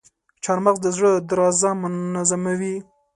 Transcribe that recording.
چارمغز د زړه درزا منظموي.